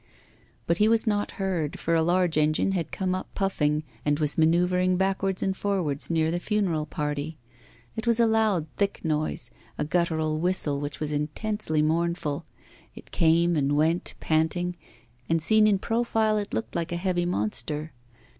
But he was not heard, for a large engine had come up puffing, and was manoeuvring backwards and forwards near the funeral party. It had a loud thick voice, a guttural whistle, which was intensely mournful. It came and went, panting; and seen in profile it looked like a heavy monster.